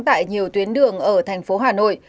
tại nhiều tuyến đường ở thành phố hà nội